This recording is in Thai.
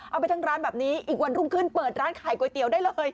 เอาไปทั้งร้านแบบนี้อีกวันรุ่งขึ้นเปิดร้านขายก๋วยเตี๋ยวได้เลย